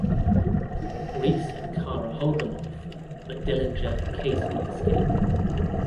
Reese and Kara hold them off but Dillinger and Casey escape.